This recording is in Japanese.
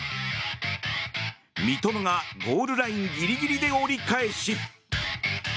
三笘がゴールラインギリギリで折り返し。